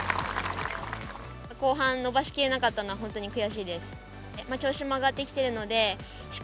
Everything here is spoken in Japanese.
後半、伸ばしきれなかったのは本当に悔しいです。